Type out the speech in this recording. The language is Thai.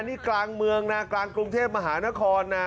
นี่กลางเมืองนะกลางกรุงเทพมหานครนะ